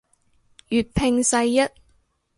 粵拼世一